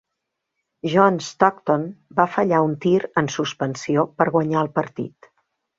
John Stockton va fallar un tir en suspensió per guanyar el partit.